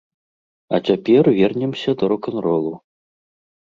А цяпер вернемся да рок-н-ролу.